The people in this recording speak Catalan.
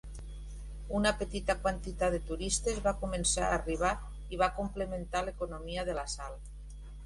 Una petita quantitat de turistes va començar a arribar i va complementar l'economia de la sal.